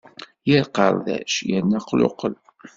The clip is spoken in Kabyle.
Yar qardac yerna aqluqel.